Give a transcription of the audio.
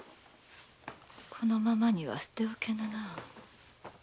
このままには捨て置けぬな。